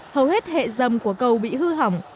hầu hết hệ dầm của cầu bị hư hỏng